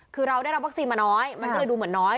คือเราได้รับวัคซีนมาน้อยมันก็เลยดูเหมือนน้อย